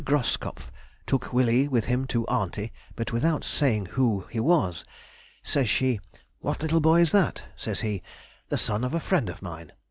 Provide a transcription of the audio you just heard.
Groskopff took Willie with him to aunty, but without saying who he was. Says she, 'What little boy is that?' Says he, 'The son of a friend of mine.